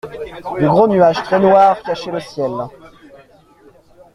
De gros nuages très noirs cachaient le ciel.